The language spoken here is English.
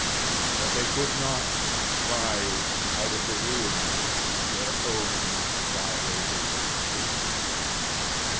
But they could not rise out of the ruins of their own violated truth.